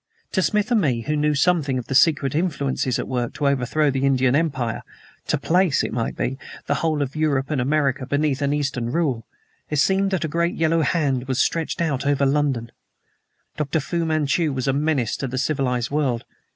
To Smith and me, who knew something of the secret influences at work to overthrow the Indian Empire, to place, it might be, the whole of Europe and America beneath an Eastern rule, it seemed that a great yellow hand was stretched out over London. Doctor Fu Manchu was a menace to the civilized world.